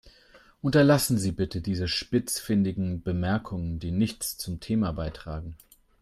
Unterlassen Sie bitte diese spitzfindigen Bemerkungen, die nichts zum Thema beitragen.